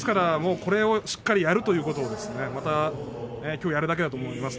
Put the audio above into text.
これをしっかりやるということをまたきょうやらなきゃと思います。